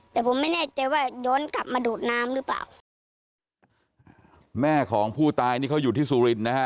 แต่ผมไม่แน่ใจว่ามันโดดน้ำปล่อนรึป่าว